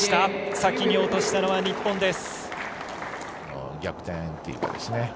先に落としたのは日本です。